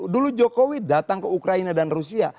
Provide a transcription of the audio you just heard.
dulu jokowi datang ke ukraina dan rusia